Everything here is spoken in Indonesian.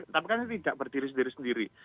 tapi kan tidak berdiri sendiri sendiri